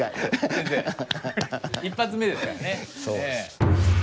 先生１発目ですからね。